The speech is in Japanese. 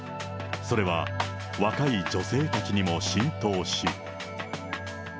それは若い女性たちにも浸透し。